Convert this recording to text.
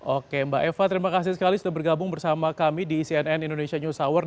oke mbak eva terima kasih sekali sudah bergabung bersama kami di cnn indonesia news hour